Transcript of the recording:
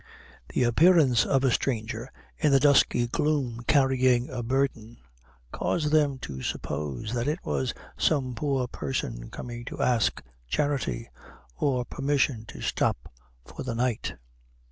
The appearance of a stranger in the dusky gloom carrying a burden, caused them to suppose that it was some poor person coming to ask charity, or permission to stop for the night.